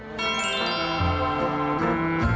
คนนี้ดูสิดีแหละพี่ฟังแต่ว่านี่